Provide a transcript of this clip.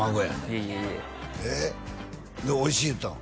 いえいえいええっでおいしい言うてたの？